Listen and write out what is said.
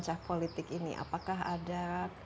cah politik ini apakah ada